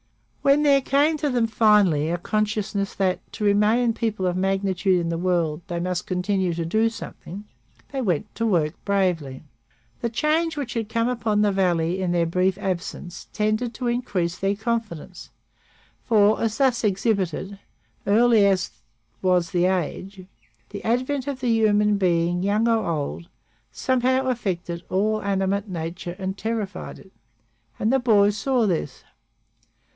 When there came to them finally a consciousness that, to remain people of magnitude in the world, they must continue to do something, they went to work bravely. The change which had come upon the valley in their brief absence tended to increase their confidence, for, as thus exhibited, early as was the age, the advent of the human being, young or old, somehow affected all animate nature and terrified it, and the boys saw this.